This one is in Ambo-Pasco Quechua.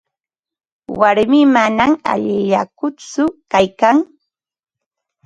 Warmii manam allillakutsu kaykan.